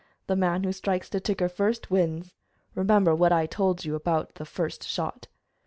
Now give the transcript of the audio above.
The man who strikes the ticker first, wins. Remember what I told you about the first shot."